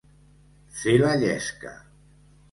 Fer la llesca.